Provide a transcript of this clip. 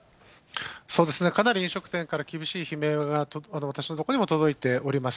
そうですね、かなり飲食店から厳しい悲鳴が、私の所にも届いております。